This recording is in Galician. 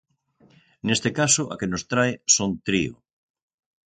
Neste caso a que nos trae Son Trío.